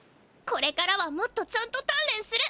これからはもっとちゃんとたんれんする！